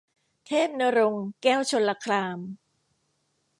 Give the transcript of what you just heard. เทพณรงค์ แก้วชลคราม